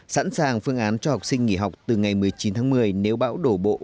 sẵn sàng phương án cho học sinh nghỉ học từ ngày một mươi chín tháng một mươi nếu bão đổ bộ